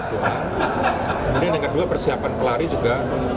kemudian yang kedua persiapan pelari juga